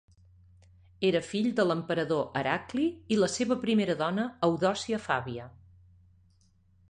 Era fill de l'emperador Heracli i la seva primera dona Eudòcia Fàbia.